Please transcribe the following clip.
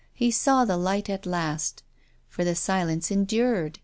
He saw the light at last. For the silence endured.